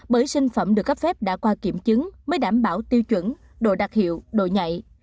bởi sinh phẩm được cấp phép đã qua kiểm chứng mới đảm bảo tiêu chuẩn độ đặc hiệu độ nhạy